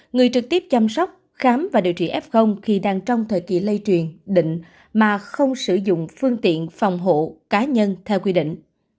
người trực tiếp chăm sóc khám và điều trị f khi đang trong thời kỳ lây truyền định mà không sử dụng phương tiện phòng hộ cá nhân theo quy định